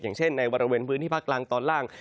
อย่างเช่นในบริเวณพื้นที่ภาคกลางตอนล่าง